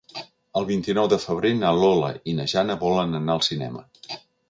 El vint-i-nou de febrer na Lola i na Jana volen anar al cinema.